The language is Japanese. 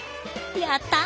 やった！